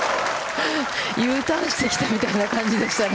Ｕターンしてきたみたいな感じでしたね。